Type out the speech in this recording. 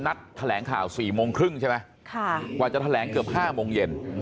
นัดแถลงข่าว๔โมงครึ่งใช่ไหมกว่าจะแถลงเกือบ๕โมงเย็น